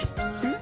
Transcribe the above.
ん？